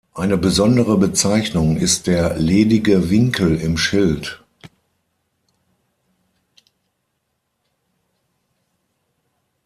Eine besondere Bezeichnung ist der "ledige Winkel" im Schild.